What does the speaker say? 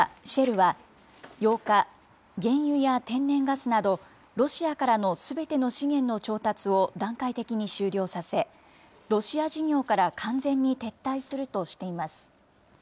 シェルは、８日、原油や天然ガスなど、ロシアからのすべての資源の調達を段階的に終了させ、ロシア事業から完全に撤退するとしています。